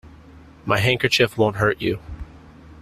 My handkerchief won't hurt you.